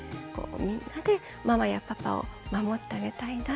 みんなでママやパパを守ってあげたいな。